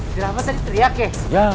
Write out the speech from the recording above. di rahmat tadi teriak ya